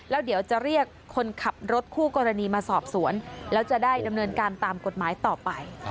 แล้วเดี๋ยวจะเรียกคนขับรถคู่กรณีมาสอบสวนแล้วจะได้ดำเนินการตามกฎหมายต่อไป